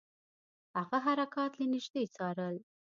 هغه حرکات له نیژدې څارل.